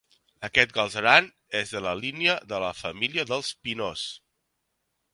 Aquest Galceran és de la línia de la família dels Pinós.